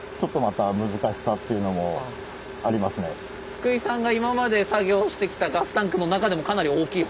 福井さんが今まで作業してきたガスタンクの中でもかなり大きい方？